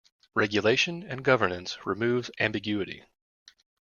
Regulation and governance removes ambiguity.